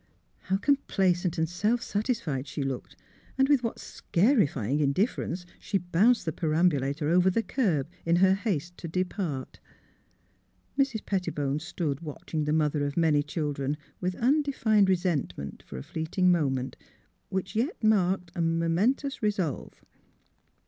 " How complacent and self satisfied slie looked, and with what scarifying indifference she bounced the perambulator over the curb in her haste to depart. Mrs. Pettibone stood watching the mother of many children with undefined resent ment, for a fleeting moment, which yet marked a momentous resolve.